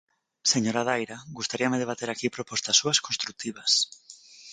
Señora Daira, gustaríame debater aquí propostas súas construtivas.